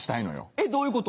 えっどういうこと？